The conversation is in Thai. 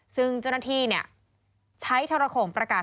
ซึ่งเจ้าหน้าที่ใช้ทรโขงประกาศ